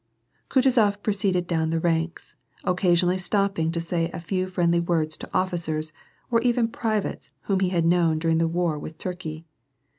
Kutuzof proceeded down the ranks, occasionally stopping to say a few friendly words to oflRcers or even privates whom he had known during the war with Turkey.